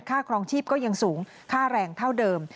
ครองชีพก็ยังสูงค่าแรงเท่าเดิม